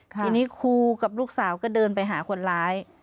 ทีนี้ครูกับลูกสาวก็เดินไปหาคนร้าย